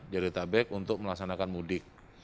jadi kita beks untuk melaksanakan mudik